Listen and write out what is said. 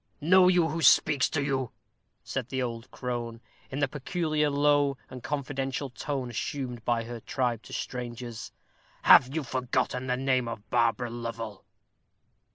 "Know you who speaks to you?" said the old crone, in the peculiar low and confidential tone assumed by her tribe to strangers. "Have you forgotten the name of Barbara Lovel?"